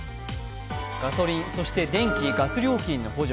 ガソリン、そして電気・ガス料金の補助。